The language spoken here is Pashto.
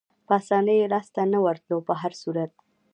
په اسانۍ یې لاسته نه ورتلو، په هر صورت.